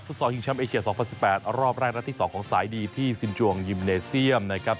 ซอลชิงแชมป์เอเชีย๒๐๑๘รอบแรกและที่๒ของสายดีที่ซินจวงยิมเนเซียมนะครับ